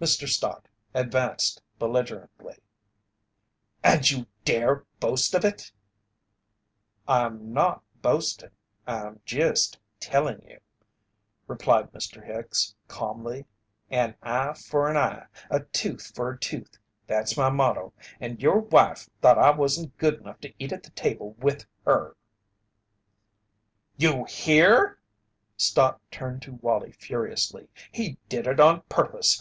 Mr. Stott advanced belligerently. "And you dare boast of it!" "I'm not boasting I'm just telling you," replied Mr. Hicks, calmly. "An Eye for an Eye, a Tooth for a Tooth, that's my motto, and your wife thought I wasn't good enough to eat at the table with her." "You hear?" Stott turned to Wallie furiously. "He did it on purpose.